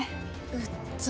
うっざ。